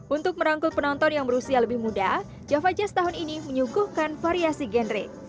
untuk merangkul penonton yang berusia lebih muda java jazz tahun ini menyuguhkan variasi genre